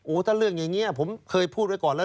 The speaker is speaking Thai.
ถ้าเรื่องอย่างนี้ผมเคยพูดไว้ก่อนแล้ว